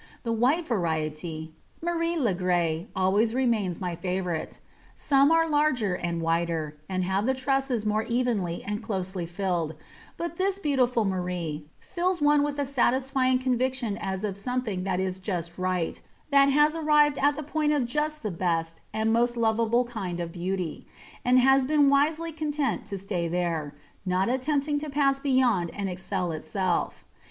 The white variety, "Marie Legraye," always remains my favourite. Some are larger and whiter, and have the trusses more evenly and closely filled, but this beautiful Marie fills one with a satisfying conviction as of something that is just right, that has arrived at the point of just the best and most lovable kind of beauty, and has been wisely content to stay there, not attempting to pass beyond and excel itself.